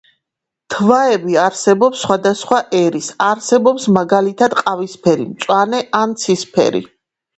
თვაები არსებობს სხვა და სხვა ერის არსებობს მაგალითად ყავიფერი მწვანე ან ცისფერი